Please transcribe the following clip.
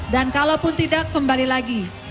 dan kalau pun tidak kembali lagi